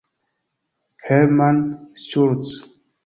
Hermann Schultz!